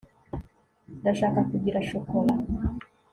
ndashaka kugira shokora